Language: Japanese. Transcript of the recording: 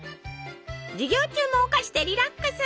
授業中もお菓子でリラックス！